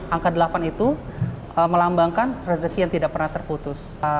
angka delapan itu melambangkan rezeki yang tidak pernah terputus